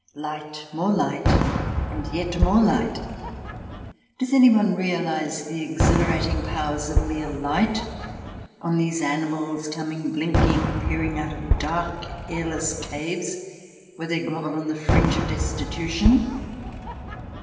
Light, more light, and yet more light ! Does anyone realize the exhilarating powers of mere light on these animals coming blinking, peering, out of dark, airless caves, where they grovel on the fringe of destitution?